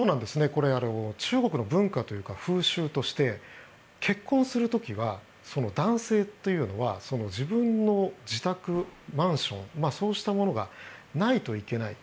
これ、中国の文化というか風習として結婚する時は男性というのは自分の自宅、マンションそうしたものがないといけない。